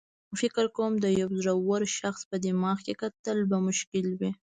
فکر کوم د یو زړور شخص په دماغ کې کتل به مشکل وي.